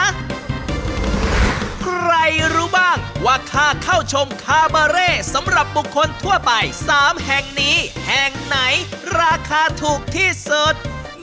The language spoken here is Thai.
ใครรู้บ้างว่าค่าเข้าชมคาบาเร่สำหรับบุคคลทั่วไป๓แห่งนี้แห่งไหนราคาถูกที่สุด